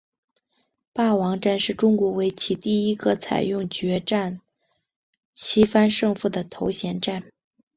霸王战是中国围棋第一个采用决赛七番胜负的头衔战。